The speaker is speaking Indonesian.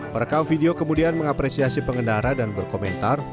perekam video kemudian mengapresiasi pengendara dan berkomentar